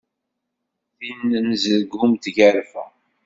Tin n Zelgum d tgerfa.